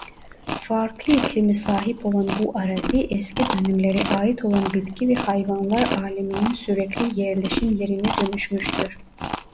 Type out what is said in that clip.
Farklı iklime sahip olan bu arazi eski dönemlere ait olan bitki ve hayvanlar aleminin sürekli yerleşim yerine dönüşmüştür.